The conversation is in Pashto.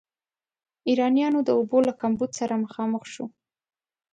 ایرانیانو د اوبو له کمبود سره مخامخ شو.